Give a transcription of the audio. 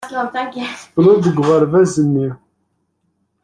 Tettwaqebleḍ deg uɣerbaz-nni.